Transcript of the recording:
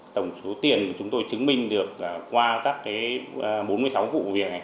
tổng số tiền chúng tôi chứng minh được qua các cái bốn mươi sáu vụ của việc này